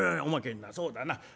「おまけになそうだな